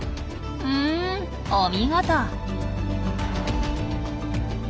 うんお見事！